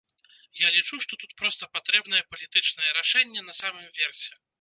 Я лічу, што тут проста патрэбнае палітычнае рашэнне на самым версе.